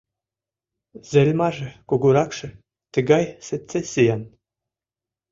Зельмаже, кугуракше, тыгай сецессиян.